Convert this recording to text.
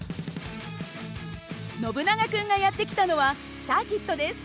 ノブナガ君がやって来たのはサーキットです。